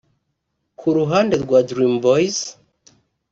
Ku ruhande rwa Dream Boyz